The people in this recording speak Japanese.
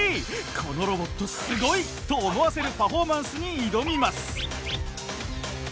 このロボットすごい！と思わせるパフォーマンスに挑みます。